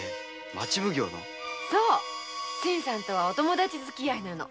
新さんとは友達づきあいなの。